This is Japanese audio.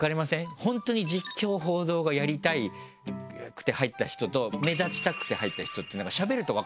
本当に実況・報道がやりたくて入った人と目立ちたくて入った人ってしゃべると分かりますよね。